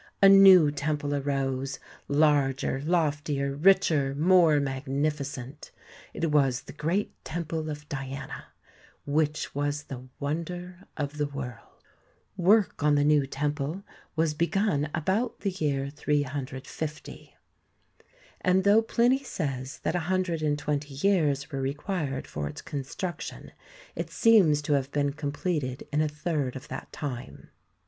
A new temple arose, larger, loftier, richer, more magnificent; it was the great temple of Diana, which was the wonder of the world. Work on the new temple Reconstruction of the Temple of Diana THE TEMPLE OF DIANA 109 was begun about the year 350, and though Pliny says that a hundred and twenty years were re quired for its construction, it seems to have been completed in a third of that time.